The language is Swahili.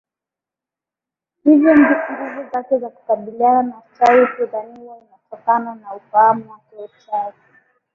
hivyo nguvu zake za kukabiliana na uchawi hudhaniwa inatokana na ufahamu wake wa uchawi